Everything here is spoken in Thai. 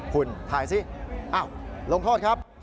คุณถ่ายสิลงโทษครับ